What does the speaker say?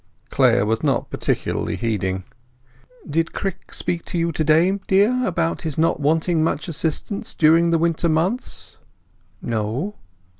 Clare was not particularly heeding. "Did Crick speak to you to day, dear, about his not wanting much assistance during the winter months?" "No."